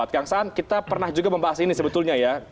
kang saan kita pernah juga membahas ini sebetulnya ya